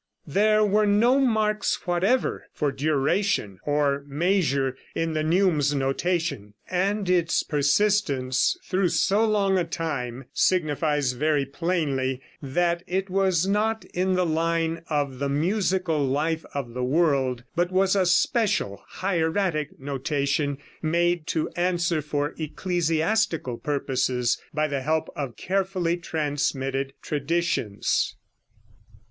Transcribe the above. ] There were no marks whatever for duration or measure in the neumes notation, and its persistence through so long a time signifies very plainly that it was not in the line of the musical life of the world, but was a special hieratic notation made to answer for ecclesiastical purposes by the help of carefully transmitted traditions.